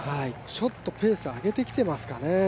ちょっとペース、上げてきていますかね。